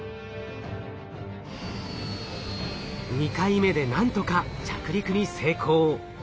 ２回目で何とか着陸に成功。